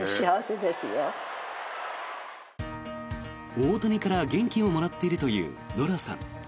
大谷から元気をもらっているというノラさん。